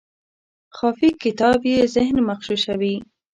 خافي کتاب یې ذهن مغشوشوي.